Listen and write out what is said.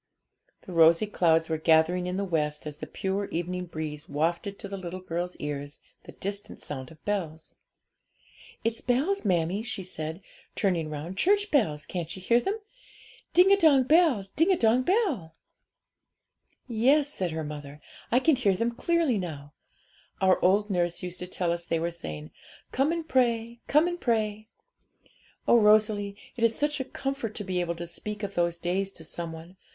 The rosy clouds were gathering in the west, as the pure evening breeze wafted to the little girl's ears the distant sound of bells. 'It's bells, mammie,' she said, turning round, 'church bells; can't you hear them? Ding dong bell, ding dong bell.' 'Yes,' said her mother, 'I can hear them clearly now; our old nurse used to tell us they were saying, "Come and pray, come and pray." Oh, Rosalie, it is such a comfort to be able to speak of those days to some one!